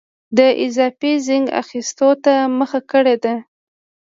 د اضافي زېنک اخیستو ته مخه کړې ده.